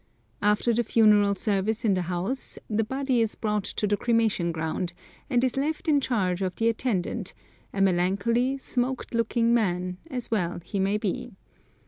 After the funeral service in the house the body is brought to the cremation ground, and is left in charge of the attendant, a melancholy, smoked looking man, as well he may be.